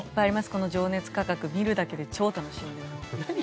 この情熱価格見るだけで超楽しいんです。